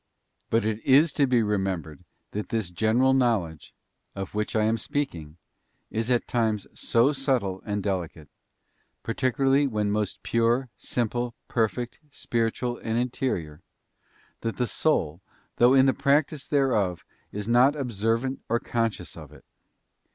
But it is to be remembered that this general knowledge, _ of which I am speaking, is at times so subtile and delicate —' particularly when most pure, simple, perfect, spiritual, and interior —that the soul, though in the practice thereof, is not observant or conscious of it.